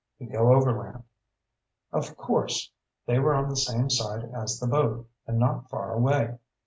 "We go overland." Of course! They were on the same side as the boat, and not far away.